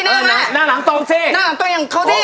นั่งหลังตรงสิ